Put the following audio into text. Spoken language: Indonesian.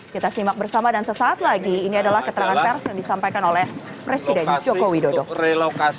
kita simak bersama dan sesaat lagi ini adalah keterangan pers yang disampaikan oleh presiden joko widodo